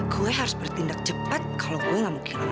gue harus bertindak cepat kalau gue gak mau kehilangan